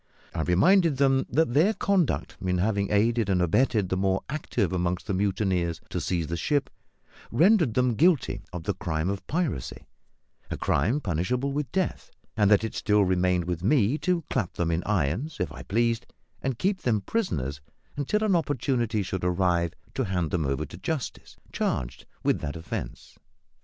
I reminded them that their conduct in having aided and abetted the more active among the mutineers to seize the ship rendered them guilty of the crime of piracy a crime punishable with death and that it still remained with me to clap them in irons, if I pleased, and keep them prisoners until an opportunity should arrive to hand them over to justice, charged with that offence.